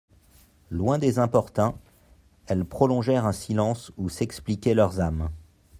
Loin des importuns, elles prolongèrent un silence où s'expliquaient leurs âmes.